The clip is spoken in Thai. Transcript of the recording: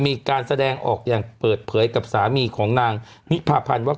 มีการแสดงออกอย่างเปิดเผยกับสามีของนางนิพาพันธ์ว่า